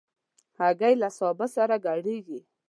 هګۍ له سابه سره ګډېږي.